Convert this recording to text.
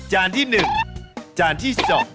จานที่๑จานที่๒